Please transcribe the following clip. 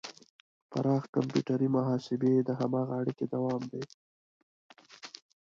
پراخ کمپیوټري محاسبې د هماغې اړیکې دوام دی.